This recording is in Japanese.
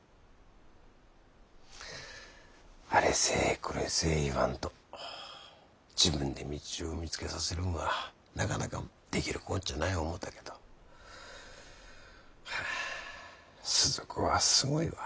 あれせえこれせえ言わんと自分で道を見つけさせるんはなかなかできるこっちゃない思うたけどはあ鈴子はすごいわ。